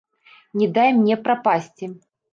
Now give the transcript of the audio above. Не дай мне прапасці.